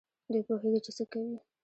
دوی پوهېږي چي څه کوي.